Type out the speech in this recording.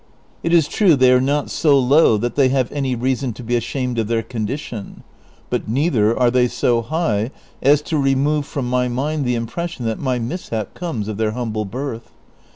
It is true they are not so low that they have any reason to be ashamed of their condition, but neither are they so high as to I'emove from my mind the impression that my mishap comes of their huml)le birth.